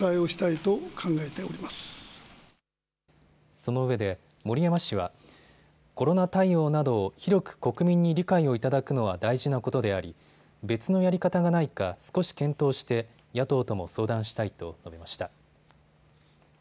そのうえで森山氏はコロナ対応などを広く国民に理解を頂くのは大事なことであり別のやり方がないか少し検討して野党とも相談したいと述べました。